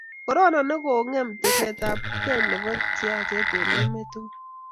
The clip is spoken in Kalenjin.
korona ne kokongem teset ab kei ak siaset ab emet tugul